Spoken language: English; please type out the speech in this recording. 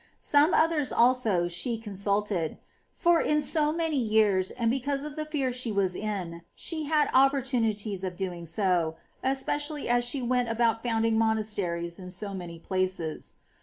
Some others also she consulted; for in so many years, and because of the fear she was in, she had opportunities of doing so, especially as she went about founding monasteries in so many places.